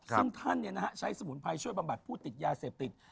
ซึ่งท่านเนี่ยนะฮะใช้สมุนไพรช่วยปับบัติผู้ติดยาเสพติด